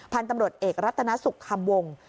พันธุ์ตำรวจเอกรัตนสุขคำวง